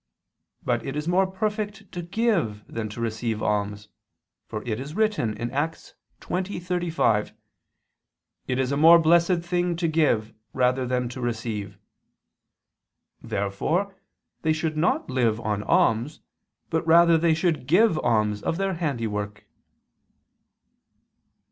But it is more perfect to give than to receive alms; for it is written (Acts 20:35): "It is a more blessed thing to give, rather than to receive." Therefore they should not live on alms, but rather should they give alms of their handiwork.